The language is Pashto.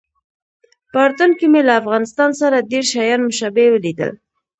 په اردن کې مې له افغانستان سره ډېر شیان مشابه ولیدل.